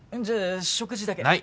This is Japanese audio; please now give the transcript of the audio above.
じゃあ食事だけ。